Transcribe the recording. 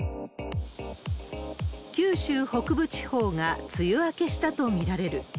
九州北部地方が梅雨明けしたと見られる。